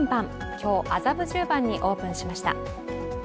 今日、麻布十番にオープンしました。